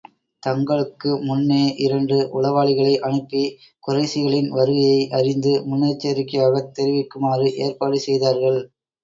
தங்களுக்கு முன்னே இரண்டு உளவாளிகளை அனுப்பி, குறைஷிகளின் வருகையை அறிந்து முன்னெச்சரிக்கையாகத் தெரிவிக்குமாறு ஏற்பாடு செய்தார்கள்.